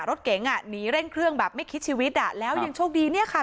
รถเก๋งอ่ะหนีเร่งเครื่องแบบไม่คิดชีวิตอ่ะแล้วยังโชคดีเนี่ยค่ะ